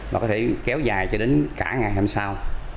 mà có thể kéo dài cho đến cả ngày hay sao